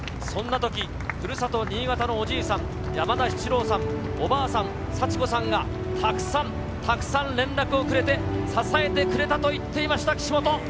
そんなとき、ふるさと、新潟のおじいさん、やまだいちろうさん、おばあさん、さちこさんがたくさんたくさん連絡をくれて、支えてくれたと言っていました、岸本。